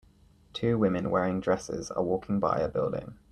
Two women wearing dresses are walking by a building.